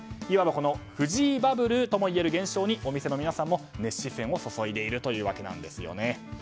いわば藤井バブルともいえる現象にお店の皆さんも熱視線を注いでいるというわけなんですね。